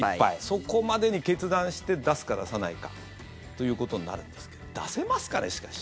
そこまでに決断して出すか出さないかということになるんですけど出せますかね、しかし。